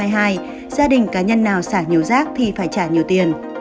gia đình cá nhân nào xả nhiều rác thì phải trả nhiều tiền